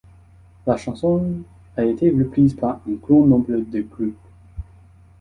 La chanson a été reprise par un grand nombre de groupes.